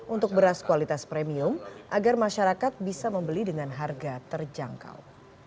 untuk beras kualitas premium agar masyarakat bisa membeli dengan harga terjangkau